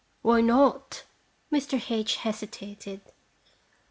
Why not?" Mr. H hesitated.